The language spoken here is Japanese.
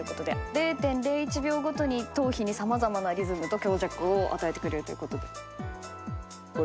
０．０１秒ごとに頭皮に様々なリズムと強弱を与えてくれるということで。